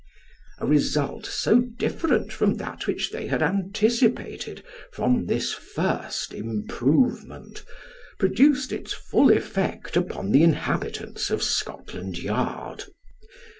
A result so different from that which they had anticipated from this first improvement, produced its full effect upon the inhabitants of Scotland Yard.